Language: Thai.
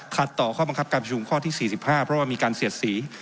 ต่อข้อบังคับการประชุมข้อที่๔๕เพราะว่ามีการเสียดสี